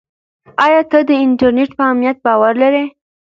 آیا ته د انټرنیټ په امنیت باور لرې؟